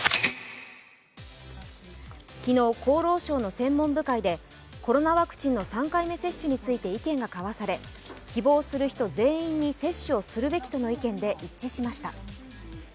昨日、厚労省の専門部会でコロナワクチンの３回目ワクチンについて意見が交わされ希望する人全員に接種をずくべきとの意見で一致しました。